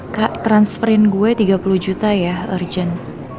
kak transferint gue tiga puluh juta ya urgent